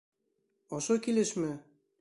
— Ошо килешме?